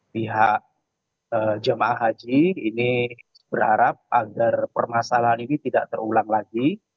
pihak jemaah haji ini berharap agar permasalahan ini tidak terulang lagi